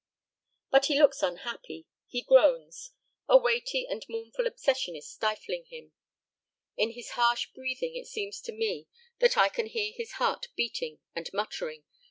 But he looks unhappy; he groans. A weighty and mournful obsession is stifling him. In his harsh breathing it seems to me that I can hear his heart beating and muttering.